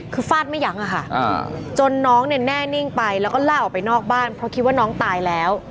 คือฟาดไม่ยั้งอะค่ะจนน้องเนี่ยแน่นิ่งไปแล้วก็ล่าออกไปนอกบ้านเพราะคิดว่าน้องตายแล้ว